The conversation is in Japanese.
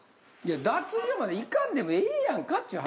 脱衣所まで行かんでもええやんかっちゅう話。